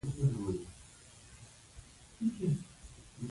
چای درواخله !